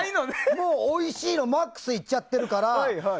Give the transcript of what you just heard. もうおいしいのマックスいっちゃってるから。